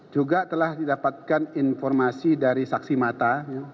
juga telah didapatkan informasi dari saksi mata